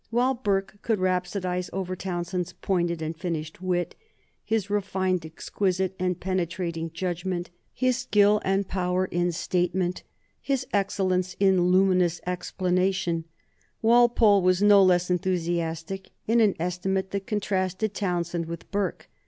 While Burke could rhapsodize over Townshend's pointed and finished wit, his refined, exquisite, and penetrating judgment, his skill and power in statement, his excellence in luminous explanation, Walpole was no less enthusiastic in an estimate that contrasted Townshend with Burke.